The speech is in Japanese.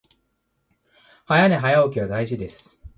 早寝早起きは大事です